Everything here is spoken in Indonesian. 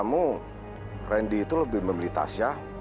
orang luar biasa